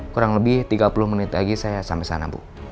kurang lebih tiga puluh menit lagi saya sampai sana bu